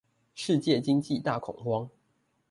世界經濟大恐慌